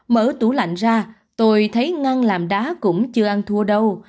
mở tủ lạnh ra tôi thấy ngăn làm đá cũng chưa ăn thua đâu